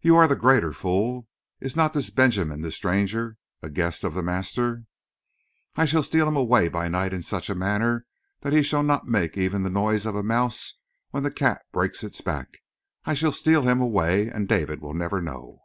"You are the greater fool. Is not this Benjamin, this stranger, a guest of the master?" "I shall steal him away by night in such a manner that he shall not make even the noise of a mouse when the cat breaks its back. I shall steal him away and David will never know."